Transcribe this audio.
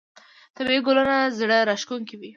طبیعي ګلونه زړه راښکونکي وي.